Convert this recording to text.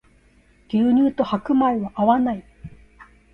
牛乳と白米は合わない